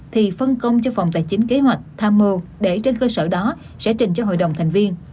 thì phân công cho phòng tài chính kế hoạch tham mưu để trên cơ sở đó sẽ trình cho hội đồng thành viên